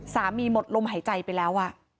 สามีหมดลมหายใจไปแล้วอ่ะ